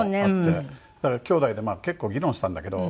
だから姉弟で結構議論したんだけど。